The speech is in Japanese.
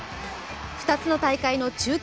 ２つの大会の中継